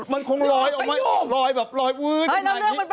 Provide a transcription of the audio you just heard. มันคงรอยออกมารอยแบบ